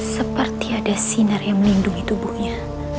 seperti ada sinar yang melindungi tubuhnya